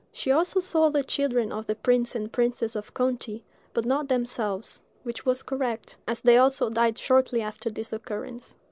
She also saw the children of the prince and princess of Conti, but not themselves—which was correct, as they also died shortly after this occurrence.